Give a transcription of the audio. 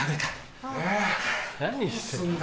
何してんの？